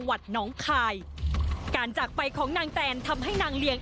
น้องคายการจากไปของนางแตนทำให้นางเลียง